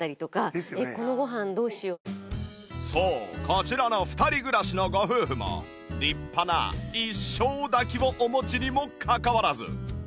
こちらの２人暮らしのご夫婦も立派な一升炊きをお持ちにもかかわらず